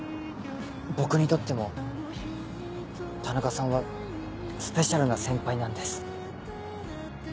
僕にとっても田中さんはスペシャルな先輩なんです。